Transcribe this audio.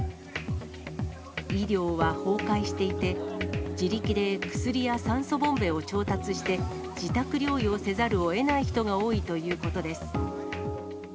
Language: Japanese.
医療は崩壊していて、自力で薬や酸素ボンベを調達して、自宅療養せざるをえない人が多いということです。